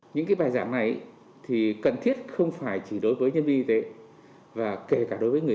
những bài giảng này thì cần thiết không phải chỉ đối với nhân viên y tế và kể cả đối với người